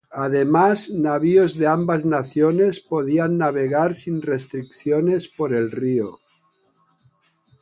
Además, navíos de ambas naciones podían navegar sin restricciones por el río.